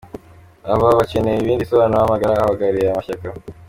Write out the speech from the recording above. Ababa bakeneye ibindi bisobanuro bahamagara abahagarariye aya mashyaka: